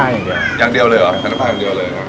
น้ำตาอย่างเดียว